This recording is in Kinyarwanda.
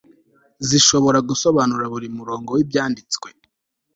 zishobora gusobanura buri murongo wIbyanditswe